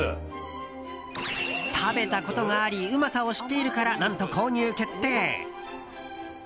食べたことがありうまさを知っているから何と購入決定。